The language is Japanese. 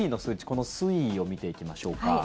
この推移を見ていきましょうか。